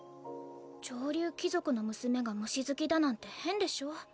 上流貴族の娘が虫好きだなんて変でしょう？